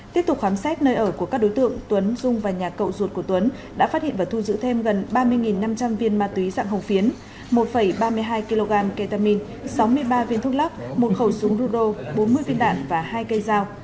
tiếp tục khám xét nơi ở của các đối tượng tuấn dung và nhà cậu ruột của tuấn đã phát hiện và thu giữ thêm gần ba mươi năm trăm linh viên ma túy dạng hồng phiến một ba mươi hai kg ketamine sáu mươi ba viên thuốc lắc một khẩu súng rudo bốn mươi viên đạn và hai cây dao